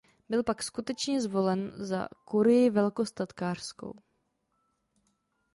Byl pak skutečně zvolen za kurii velkostatkářskou.